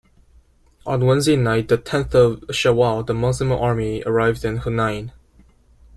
On Wednesday night, the tenth of Shawwal, the Muslim army arrived at Hunain.